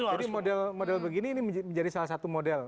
jadi model begini ini menjadi salah satu model